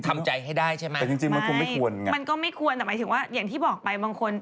ทำใจให้ได้ใช่ไหมแต่จริงจริงมันควรไม่ควรไงมันก็ไม่ควรแต่หมายถึงว่าอย่างที่บอกไปบางคน